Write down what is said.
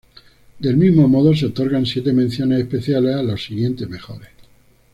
Del mismo modo, se otorgan siete menciones especiales a los siguientes mejores.